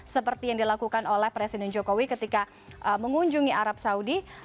seperti yang dilakukan oleh presiden jokowi ketika mengunjungi arab saudi